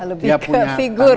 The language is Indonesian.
lebih ke figur